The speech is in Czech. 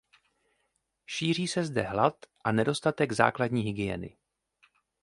Šíří se zde hlad a nedostatek základní hygieny.